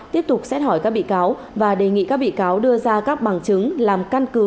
tiếp tục xét hỏi các bị cáo và đề nghị các bị cáo đưa ra các bằng chứng làm căn cứ